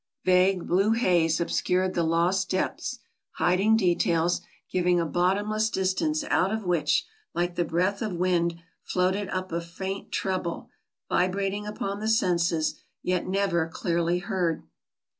Vague blue haze obscured the lost depths, hiding details, giving a bottomless distance out of which, like the breath 102 AMERICA 103 of wind, floated up a faint treble, vibrating upon the senses, yet never clearly heard.